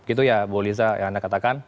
itu ya bu liza yang anda katakan